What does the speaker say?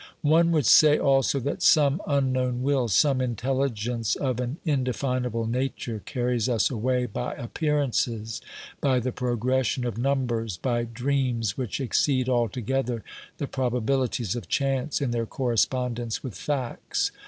One would say also that some unknown will, some intelligence of an indefinable nature carries us away by appearances, by the progression of numbers, by dreams which exceed altogether the probabilities of chance in their correspondence with facts.